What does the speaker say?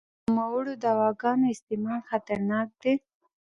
د نوموړو دواګانو استعمال خطرناک دی.